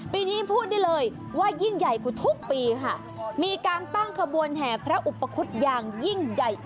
ปีนี้พูดได้เลยว่ายิ่งใหญ่กว่าทุกปีค่ะมีการตั้งขบวนแห่พระอุปคุฎอย่างยิ่งใหญ่